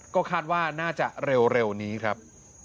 ก็คาดว่าน่าจะเร็วนี้ครับ